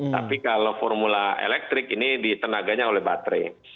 tapi kalau formula electric ini tenaganya oleh baterai